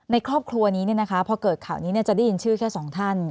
ครอบครัวนี้พอเกิดข่าวนี้จะได้ยินชื่อแค่สองท่าน